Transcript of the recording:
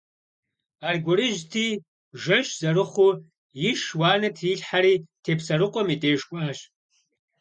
Аргуэрыжьти, жэщ зэрыхъуу иш уанэ трилъхьэри Тепсэрыкъуэм и деж кӀуащ.